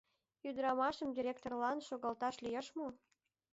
Ӱдырамашым директорлан шогалташ лиеш мо?